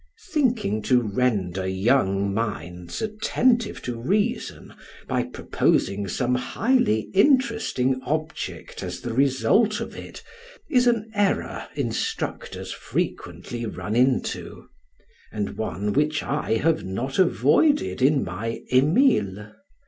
Thinking to render young minds attentive to reason by proposing some highly interesting object as the result of it, is an error instructors frequently run into, and one which I have not avoided in my Umilius.